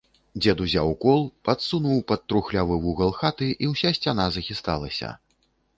Дзед узяў кол, падсунуў пад трухлявы вугал хаты, і ўся сцяна захісталася.